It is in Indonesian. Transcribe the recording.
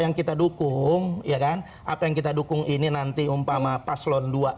yang kita dukung ya kan apa yang kita dukung ini nanti umpama apa yang kita dukung ini nanti umpama